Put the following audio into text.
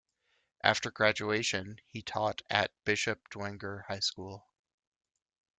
After graduation, he taught at Bishop Dwenger High School.